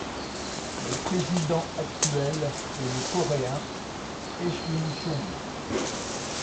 Le président actuel est le coréen Euisun Chung.